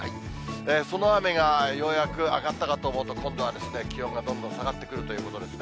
その雨がようやく上がったかと思うと、今度は気温がどんどん下がってくるということですね。